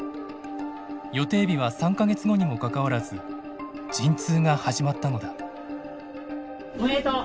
予定日は３か月後にもかかわらず陣痛が始まったのだ。